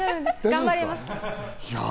頑張ります。